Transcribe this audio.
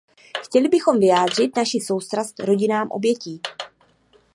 Chtěli bychom vyjádřit naši soustrast rodinám obětí.